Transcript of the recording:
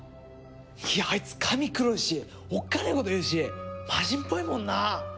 いやあいつ髪黒いしおっかねえ事言うし魔人っぽいもんな！